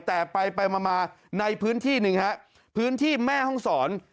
แต่ไปไปมามาในพื้นที่หนึ่งฮะพื้นที่แม่ห้องศร